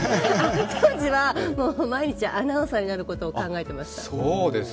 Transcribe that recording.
当時は毎日アナウンサーになることを考えてました。